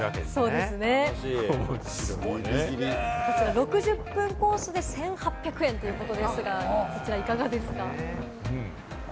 こちら６０分コースで１８００円ということですが、いかがですか？